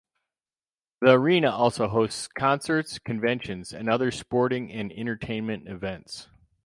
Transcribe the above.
The arena also hosts concerts, conventions and other sporting and entertainment events.